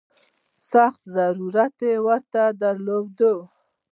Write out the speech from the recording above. سخت ضرورت ورته درلود.